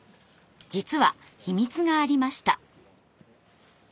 実は秘密がありました。